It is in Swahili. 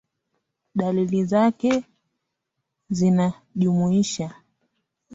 Dalili zake zinajumuisha